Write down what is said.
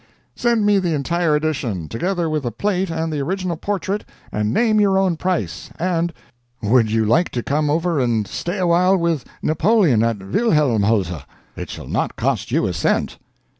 Send me the entire edition together with the plate and the original portrait and name your own price. And would you like to come over and stay awhile with Napoleon at Wilhelmshohe? It shall not cost you a cent.